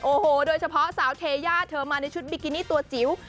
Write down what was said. โอ้โหโดยเฉพาะสาวเทย่าเธอมาในชุดบิกินี่ตัวจิ๋ว